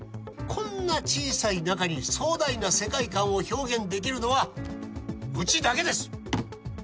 こんな小さい中に壮大な世界観を表現できるのはうちだけです